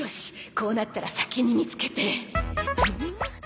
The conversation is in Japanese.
こうなったら先に見つけて